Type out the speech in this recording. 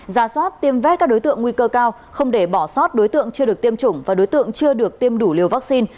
ra soát tiêm vét các đối tượng nguy cơ cao không để bỏ sót đối tượng chưa được tiêm chủng và đối tượng chưa được tiêm đủ liều vaccine